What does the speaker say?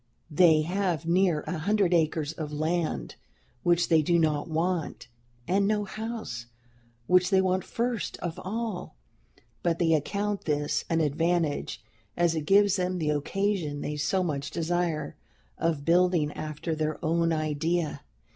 They have near a hundred acres of land which they do not want, and no house, which they want first of all. But they account this an advantage, as it gives them the occasion they so much desire, of building after their own idea.